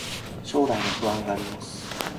将来の不安があります